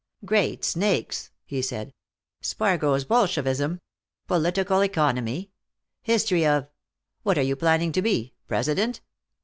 "Great snakes!" he said. "Spargo's Bolshevism! Political Economy, History of . What are you planning to be? President?"